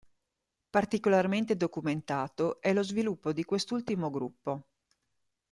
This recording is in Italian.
Particolarmente documentato è lo sviluppo di quest'ultimo gruppo.